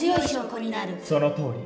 そのとおり。